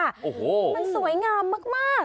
โอ้โหมันสวยงามมาก